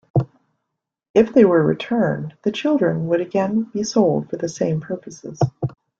If they were returned, the children would again be sold for the same purposes.